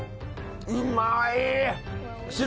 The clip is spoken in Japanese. うまい！